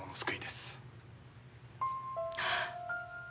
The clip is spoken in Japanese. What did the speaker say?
はあ。